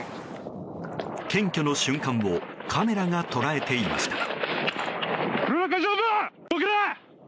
検挙の瞬間をカメラが捉えていました。